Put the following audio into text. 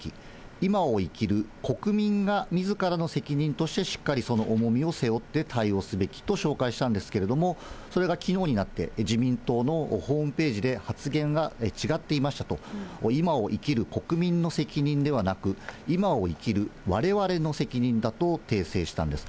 今を生きる国民がみずからの責任としてしっかりその重みを背負って対応すべきと紹介したんですけれども、それがきのうになって、自民党のホームページで発言が違っていましたと、今を生きる国民の責任ではなく、今を生きるわれわれの責任だと訂正したんです。